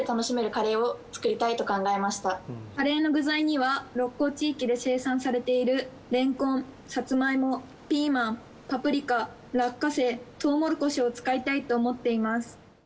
カレーの具材には鹿行地域で生産されているレンコンサツマイモピーマンパプリカ落花生トウモロコシを使いたいと思っています。